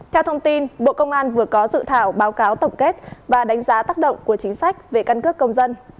theo thông tin bộ công an vừa có dự thảo báo cáo tổng kết và đánh giá tác động của chính sách về căn cước công dân